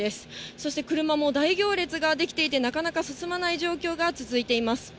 そして車も大行列が出来ていて、なかなか進まない状況が続いています。